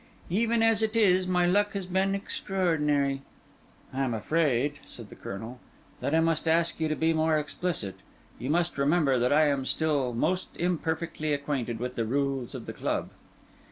Even as it is my luck has been extraordinary." "I am afraid," said the Colonel, "that I must ask you to be more explicit. You must remember that I am still most imperfectly acquainted with the rules of the club."